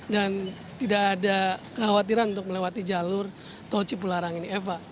dan tidak ada kekhawatiran untuk melewati jalur tol cipul haram ini eva